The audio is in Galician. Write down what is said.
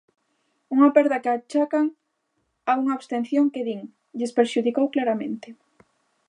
Unha perda que achacan a unha abstención que, din, lles prexudicou claramente.